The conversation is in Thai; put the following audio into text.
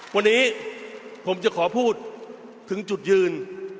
วันนี้ผมจะขอพูดถึงจุดยืน